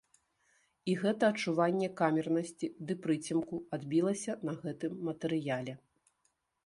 І гэта адчуванне камернасці ды прыцемку адбілася на гэтым матэрыяле.